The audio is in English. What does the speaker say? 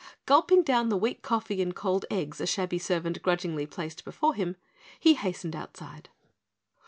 Gulping down the weak coffee and cold eggs a shabby servant grudgingly placed before him, he hastened outside.